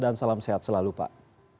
dan salam sehat selalu pak